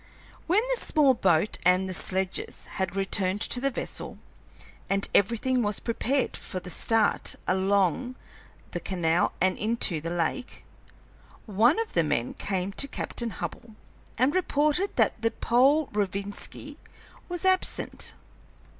When the small boat and the sledges had returned to the vessel, and everything was prepared for the start along the canal and into the lake, one of the men came to Captain Hubbell and reported that the Pole Rovinski was absent.